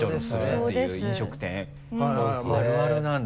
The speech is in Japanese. あるあるなんだ。